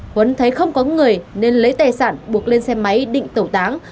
huấn thấy không có người nên lấy tài sản buộc lên xe máy định tẩu tán